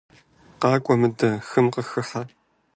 КъакӀуэ мыдэ, хым къыхыхьэ.